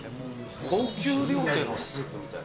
高級料亭のスープみたい。